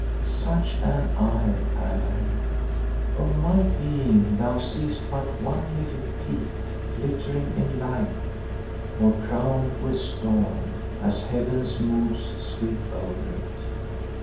"Such am I, Allan. Of my being thou seest but one little peak glittering in light or crowned with storm, as heaven's moods sweep over it.